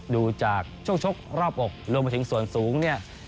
ดูจากช่วงชกรอบอกรวมไปถึงส่วนสูงเนี่ย